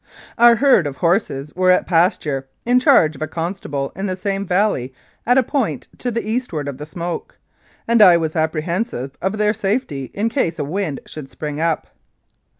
Our herd of horses were at pasture, in charge of a constable in the same valley at a point to the eastward of the smoke, and I was apprehensive of their safety in case a wind should spring up.